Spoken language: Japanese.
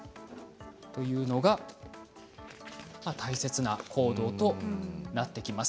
これが大切な行動となっていきます。